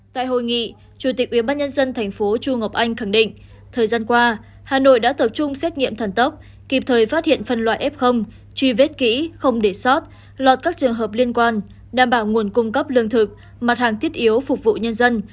tại hội nghị chủ tịch ubnd tp chu ngọc anh khẳng định thời gian qua hà nội đã tập trung xét nghiệm thần tốc kịp thời phát hiện phân loại f truy vết kỹ không để sót lọt các trường hợp liên quan đảm bảo nguồn cung cấp lương thực mặt hàng thiết yếu phục vụ nhân dân